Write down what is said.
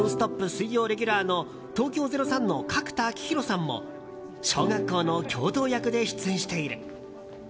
水曜レギュラーの東京０３の角田晃広さんも小学校の教頭役で出演している。